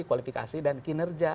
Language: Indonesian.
kualifikasi dan kinerja